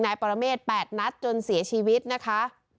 ปรเมฆ๘นัดจนเสียชีวิตนะคะ